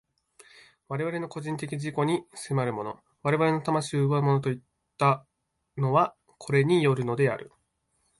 我々の個人的自己に迫るもの、我々の魂を奪うものといったのは、これによるのである。